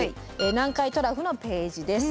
南海トラフのページです。